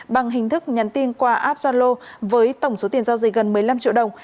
bằng hình thức nhắn tin qua app gia lô với tổng số tiền giao dịch gần một mươi năm triệu đồng